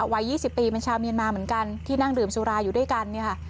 วัย๒๐ปีเป็นชาวเมียนมาเหมือนกันที่นั่งดื่มสุราอยู่ด้วยกันเนี่ยค่ะ